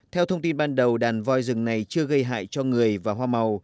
theo thông tin ban đầu đàn voi rừng này chưa gây hại cho người và hoa màu